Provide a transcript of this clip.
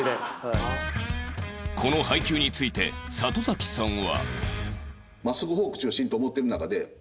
この配球について里崎さんは